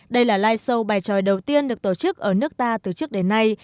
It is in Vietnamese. đây là live show bài tròi đầu tiên được tổ chức ở nước ta từ trước đến nay